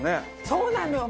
そうなのよ。